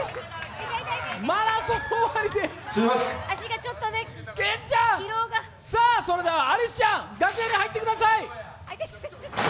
マラソン終わりでそれではアリスちゃん、楽屋に入ってください！